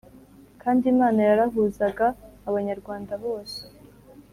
kandi Imana yarahuzaga Abanyarwanda bose: